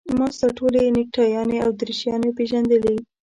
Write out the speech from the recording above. ما ستا ټولې نکټایانې او دریشیانې پېژندلې.